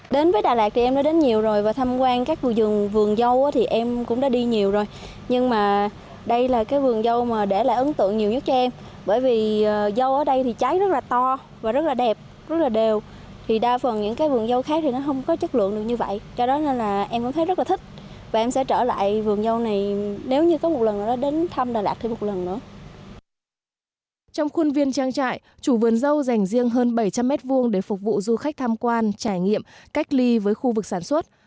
trong khuôn viên trang trại chủ vườn dâu dành riêng hơn bảy trăm linh mét vuông để phục vụ du khách tham quan trải nghiệm cách ly với khu vực sản xuất